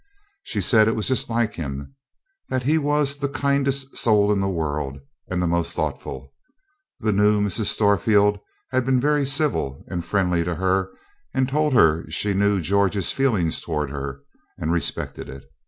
She said it was just like him that he was the kindest soul in the world, and the most thoughtful. The new Mrs. Storefield had been very civil and friendly to her, and told her she knew George's feeling towards her, and respected it.